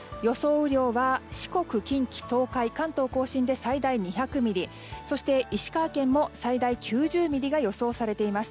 雨量は四国、近畿・東海、関東・甲信で最大２００ミリそして、石川県も最大９０ミリが予想されています。